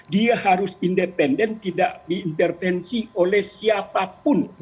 dia harus independen tidak diintervensi oleh siapapun